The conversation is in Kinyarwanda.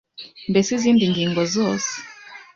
mbese izindi ngingo zose